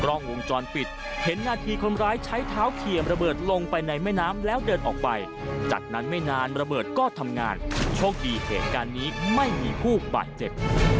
กล้องวงจรปิดเห็นนาทีคนร้ายใช้เท้าเขี่ยมระเบิดลงไปในแม่น้ำแล้วเดินออกไปจากนั้นไม่นานระเบิดก็ทำงานโชคดีเหตุการณ์นี้ไม่มีผู้บาดเจ็บ